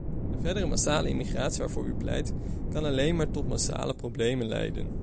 De verdere massale immigratie waarvoor u pleit, kan alleen maar tot massale problemen leiden.